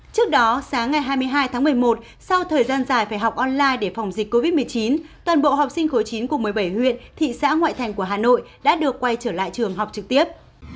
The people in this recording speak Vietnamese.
trước đó sáng ngày hai mươi hai tháng một mươi một sau thời gian dài phải học online để phòng dịch covid một mươi chín toàn bộ học sinh khối chín của một mươi bảy huyện thị xã ngoại thành của hà nội đã được quay trở lại trường học trực tiếp